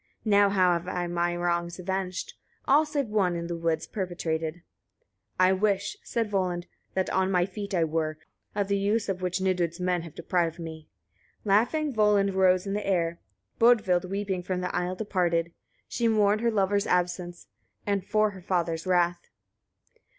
"Now have I my wrongs avenged, all save one in the wood perpetrated." 27. "I wish," said Volund, "that on my feet I were, of the use of which Nidud's men have deprived me." Laughing Volund rose in air: Bodvild weeping from the isle departed. She mourned her lover's absence, and for her father's wrath.